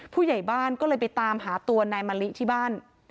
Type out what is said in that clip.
ผู้ใหญ่บ้านก็เลยไปตามหาตัวนายมะลิที่บ้าน